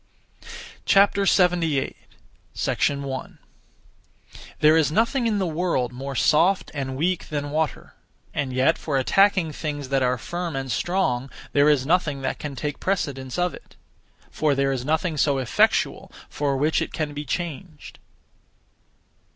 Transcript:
78. 1. There is nothing in the world more soft and weak than water, and yet for attacking things that are firm and strong there is nothing that can take precedence of it; for there is nothing (so effectual) for which it can be changed.